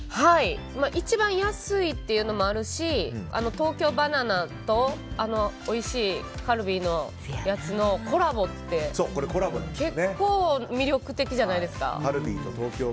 一番安いっていうのもあるし東京ばな奈とおいしいカルビーのやつとコラボって結構魅力的じゃないですか。